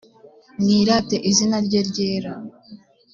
mwirate izina rye ryera